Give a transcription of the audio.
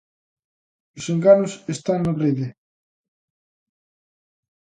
Os enganos están na Rede.